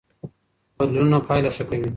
بدلونونه پایله ښه کوي.